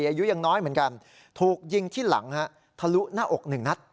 อายุยังน้อยเหมือนกันถูกยิงที่หลังฮะทะลุหน้าอกหนึ่งนัด